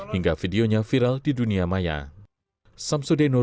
hingga videonya viral di dunia maya